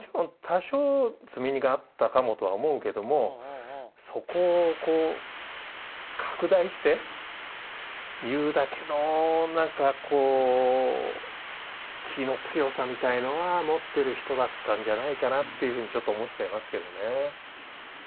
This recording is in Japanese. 多少積み荷があったかもとは思うけどもそこをこう拡大して言うだけの何かこう気の強さみたいなのは持ってる人だったんじゃないかなっていうふうにちょっと思っちゃいますけどね